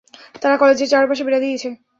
তারা কলেজের চারপাশে বেড়া দিয়েছে।